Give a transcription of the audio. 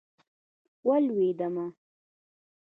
ولوېدمه.